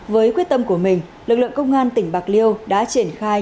với quyết tâm của mình lực lượng công an tỉnh bạc liêu đã triển khai